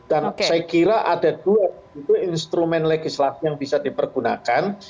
dan saya kira ada dua instrumen legislatif yang bisa dipergunakan